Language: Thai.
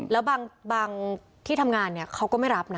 แล้วบางที่ทำงานเขาก็ไม่รับนะ